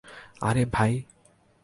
আরে, ভাই।